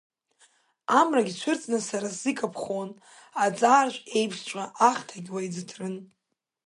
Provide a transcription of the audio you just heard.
Амрагь цәырҵны сара сзы икаԥхон, аҵааршә еиԥшҵәҟьа ахьҭагь уа иӡыҭрын.